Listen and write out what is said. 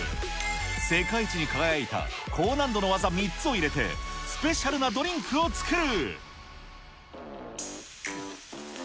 世界一に輝いた高難度の技３つを入れて、スペシャルなドリンクを作る。